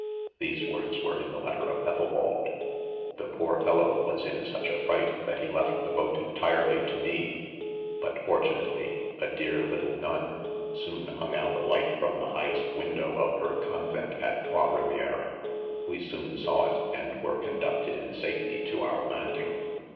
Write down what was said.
These words were in the let ter of Ethelwald: " The poor fellow vms in such a fright^ that he left the boat entirely to me ; but fortunately , a dear little nun^ soon hung out a light from the highest window of her convent" (at Trois Rivieres,) " we soon saw it, and were conducted in safety to our landing."